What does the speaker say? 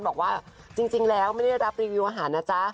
บอกว่าจริงแล้วไม่ได้รับรีวิวอาหารนะจ๊ะ